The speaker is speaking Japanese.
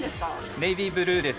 ネイビーブルーです。